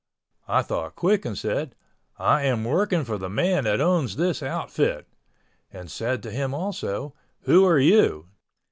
I thought quick and said, "I am working for the man that owns this outfit," and said to him also, "Who are you?"